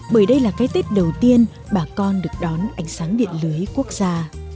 bởi đây là cái tết đầu tiên bà con được đón ánh sáng điện lưới quốc gia